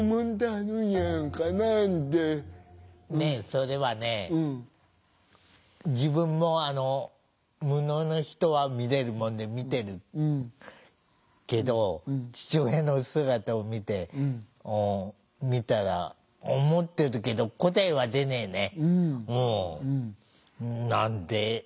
それはね自分も「無能の人」は見れるもんで見てるけど父親の姿を見て見たら思ってるけど答えはね出ねえんだ。